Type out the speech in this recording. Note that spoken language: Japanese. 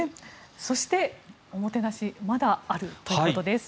そして、おもてなしまだあるということです。